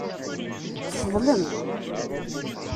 Teḍlem.